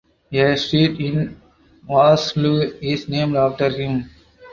A street in Vaslui is named after him.